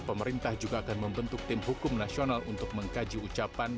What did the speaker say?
pemerintah juga akan membentuk tim hukum nasional untuk mengkaji ucapan